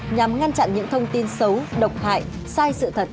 nhằm ngăn chặn những thông tin xấu độc hại sai sự thật